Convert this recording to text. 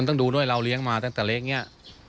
ต้องดูด้วยเราเลี้ยงมาตั้งแต่เล็กเนี่ย